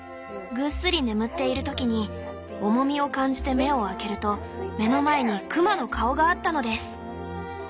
ぐっすり眠っている時に重みを感じて目を開けると目の前に熊の顔があったのです！」。